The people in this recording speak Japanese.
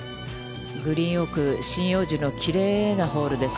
グリーン奥、針葉樹のきれいなホールです。